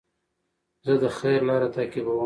زه د خیر لاره تعقیبوم.